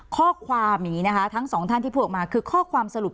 ข้อความทั้งสองท่านที่บอกมาข้อความสรุป